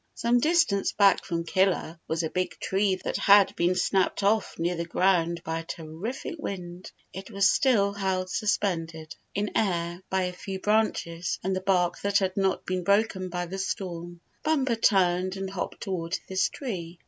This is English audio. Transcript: Some distance back from Killer was a big tree that bad been snapped off near the ground by a terrific wind. It was still held suspended 28 Bumper Saves Fuzzy Wuzz from Snake in air by a few branches and the bark that had not been broken by the storm. Bumper turned and hopped toward this tree.